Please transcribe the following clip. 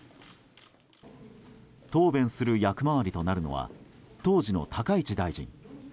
答弁する役回りとなるのは当時の高市大臣。